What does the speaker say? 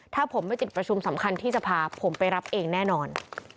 ถ้าผมไม่ติดประชุมสำคัญที่จะพาผมไปรับเองแน่นอน